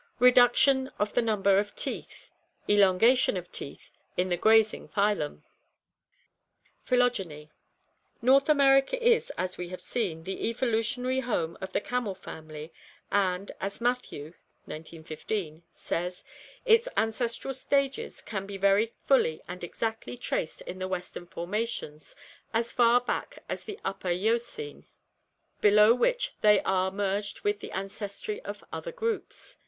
Reduction of the num ber of teeth. Elongation of teeth in the grazing phylum. (See Fig. 231.) Phytogeny North America is, as we have seen, the evolutionary home of the camel family, and, as Matthew (1915) says, "Its ancestral stages can be very fully and exactly traced in the western forma tions, as far back as the Upper Eocene, below which they are merged with the ancestry of other groups.